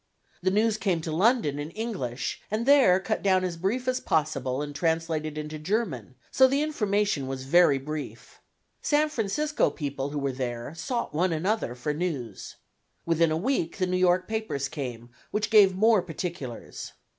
The news came to London in English, and there cut down as brief as possible and translated into German, so the information was very brief. San Francisco people who were there sought one another for news. Within a week the New York papers came, which gave more particulars.